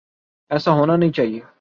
ایسا ہونا نہیں چاہیے۔